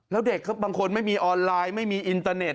แล้วเด็กบางคนไม่มีออนไลน์ไม่มีอินเตอร์เน็ต